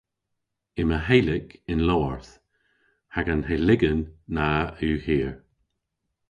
Yma helyk y'n lowarth hag an helygen na yw hir.